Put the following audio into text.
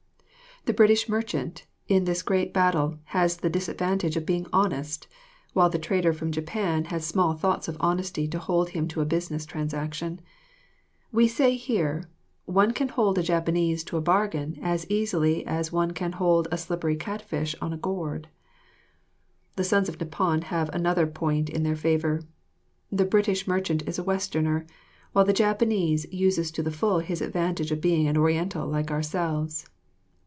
The British merchant, in this great battle has the disadvantage of being honest, while the trader from Japan has small thoughts of honesty to hold him to a business transaction. We say here, "One can hold a Japanese to a bargain as easily as one can hold a slippery catfish on a gourd." The Sons of Nippon have another point in their favour: the British merchant is a Westerner, while the Japanese uses to the full his advantage of being an Oriental like ourselves.